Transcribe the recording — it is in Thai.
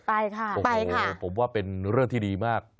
ไปค่ะโอ้โหผมว่าเป็นเรื่องที่ดีมาก